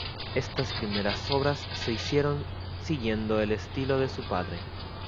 Estas primeras obras se hicieron siguiendo el estilo de su padre.